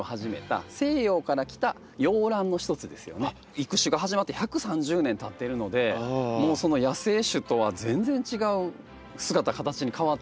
育種が始まって１３０年たってるのでもうその野生種とは全然違う姿形に変わっていってるんです。